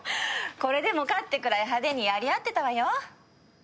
これでもかってくらい派手にやり合ってたわよ。